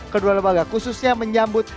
kedua lembaga khususnya menyambut